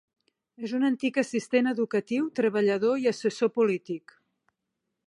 És un antic assistent educatiu, treballador i assessor polític.